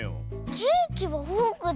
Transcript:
ケーキもフォークだ。